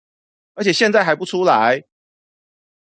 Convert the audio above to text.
而且現在還不出來